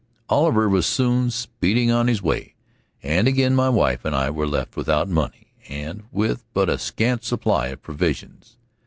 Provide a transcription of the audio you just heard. Oliver was soon speeding on his way, and again my wife and I were left without money and with but a scant supply of provisions.